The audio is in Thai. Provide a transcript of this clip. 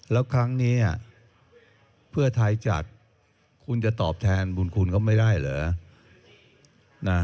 แล้วครั้งนี้เพื่อไทยจัดคุณจะตอบแทนบุญคุณเขาไม่ได้เหรอ